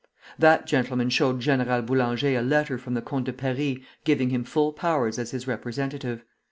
That gentleman showed General Boulanger a letter from the Comte de Paris, giving him full powers as his representative.